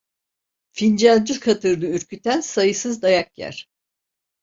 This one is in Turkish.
Fincancı katırını ürküten sayısız dayak yer.